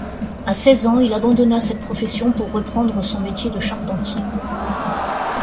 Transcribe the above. A seize ans, il abandonna cette profession, pour reprendre son métier de charpentier.